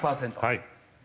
はい。